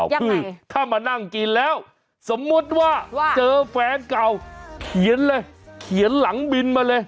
ยังไงถ้ามานั่งกินแล้วสมมุติว่าเจอแฟนเก่าเขียนเลยเขียนหลังบินมาเลย